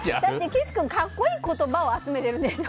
岸君、格好いい言葉を集めてるんでしょ？